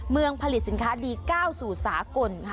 เมืองผลิตสินค้าดี๙สู่สากลค่ะ